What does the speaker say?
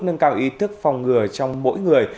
nâng cao ý thức phòng ngừa trong mỗi người